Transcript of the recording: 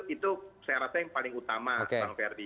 itu saya rasa yang paling utama bang ferdi